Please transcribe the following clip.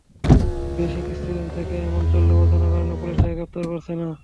বেশ কিছুদিন থেকে এমন চললেও অজানা কারণে পুলিশ তাঁকে গ্রেপ্তার করছে না।